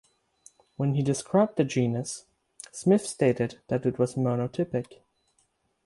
When he described the genus Smith stated that it was monotypic.